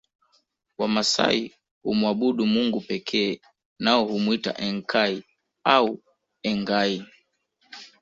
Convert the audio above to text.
Wamasai humwabudu Mungu pekee nao humwita Enkai au Engai